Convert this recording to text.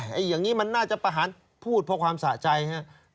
อย่างนี้มันน่าจะประหารพูดเพราะความสะใจครับ